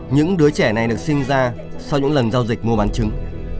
những đứa trẻ này được sinh ra sau những lần giao dịch mua bán trứng